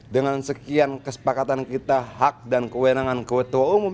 dengan sekian kesepakatan kita hak dan kewenangan ketua umum